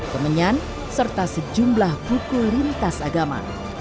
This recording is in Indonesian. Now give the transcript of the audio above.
kemenyan serta sejumlah buku lintas agama